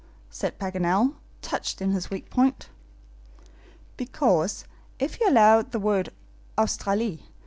said Paganel, touched in his weak point. "Because, if you allow the word AUSTRALIE!